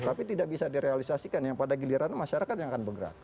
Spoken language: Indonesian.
tapi tidak bisa direalisasikan yang pada giliran masyarakat yang akan bergerak